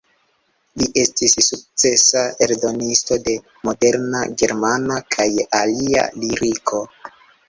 Li estis sukcesa eldonisto de moderna germana kaj alia liriko.